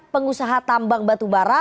pengusaha tambang batubara